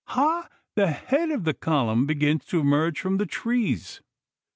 Ha! the head of the column begins to emerge from the trees.